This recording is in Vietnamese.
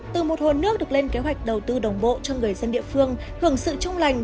từ một hồ nước được lên kế hoạch đầu tư đồng bộ cho người dân địa phương hưởng sự trung lành